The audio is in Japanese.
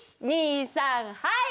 １２３はい！